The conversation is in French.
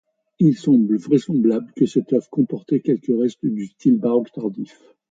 Il semble vraisemblable que cette œuvre comportait quelques restes du style baroque tardif.